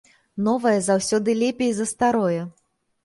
Новае заўсёды лепей за старое!